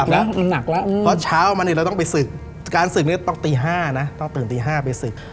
เพราะเช้ามาเราต้องไปศึกการศึกต้องตื่นตี๕นะต้องตื่นตี๕ไปศึก